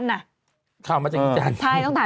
ใช่ต้องถามอีจันอีปีนึง